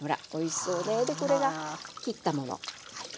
でこれが切ったもの。